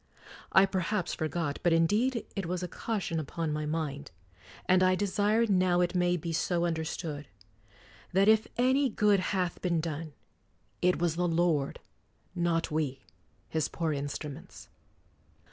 I perhaps for got, but indeed it was a caution upon my mind, and I desire now it may be so understood, that if any good hath been done, it was the Lord, not we, His poor instruments.